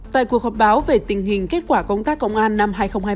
tại cuộc họp báo về tình hình kết quả công tác công an năm hai nghìn hai mươi ba